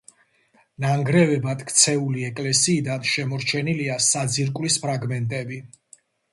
ნანგრევებად ქცეული ეკლესიიდან შემორჩენილია საძირკვლის ფრაგმენტები.